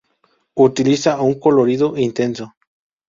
Utiliza un colorido intenso.